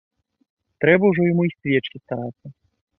Трэба ўжо яму й свечкі старацца.